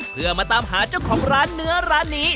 เพื่อมาตามหาเจ้าของร้านเนื้อร้านนี้